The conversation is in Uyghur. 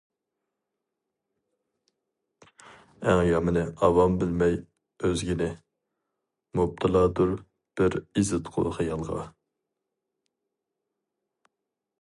ئەڭ يامىنى ئاۋام بىلمەي ئۆزگىنى، مۇپتىلادۇر بىر ئېزىتقۇ خىيالغا.